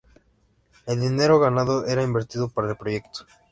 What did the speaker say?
El dinero ganado era invertido para el proyecto.